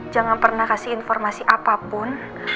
jangan pernah kasih informasi apapun